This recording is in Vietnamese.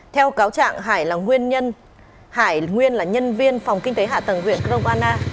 theo cáo trạng hải là nguyên nhân hải nguyên là nhân viên phòng kinh tế hạ tầng huyện cromana